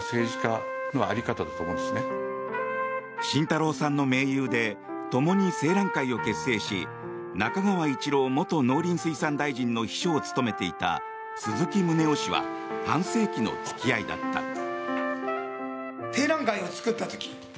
慎太郎さんの盟友でともに青嵐会を結成し中川一郎元農林水産大臣の秘書を務めていた鈴木宗男氏は半世紀の付き合いだった。